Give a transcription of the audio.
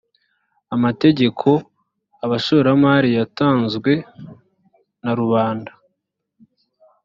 amategeko abashoramari yatanzwe na rubanda